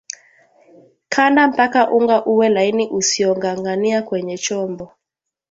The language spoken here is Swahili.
Kanda mpaka unga uwe laini usiongangania kwenye chombo